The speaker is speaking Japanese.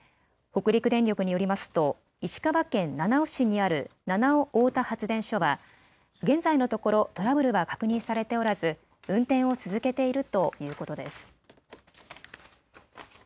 北陸電力によりますと石川県七尾市にある七尾大田発電所は現在のところトラブルは確認されておらず運転を続けているということです。